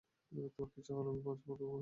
তোমার কিছু হলে আমি বাঁচব না, রাম।